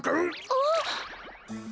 あっ！